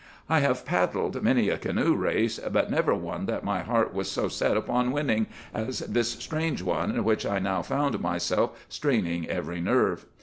"I have paddled many a canoe race, but never one that my heart was so set upon winning as this strange one in which I now found myself straining every nerve.